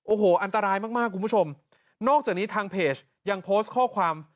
โอ้โหอันตรายมากอันนี้ยังโพสต์ข้อความ